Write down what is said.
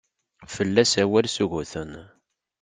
Fell-as awal suguten.